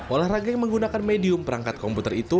olahraga yang menggunakan medium perangkat komputer itu